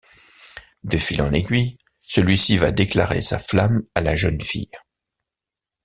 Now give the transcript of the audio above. De fil en aiguille, celui-ci va déclarer sa flamme à la jeune fille.